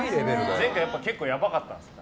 前回結構やばかったんですか？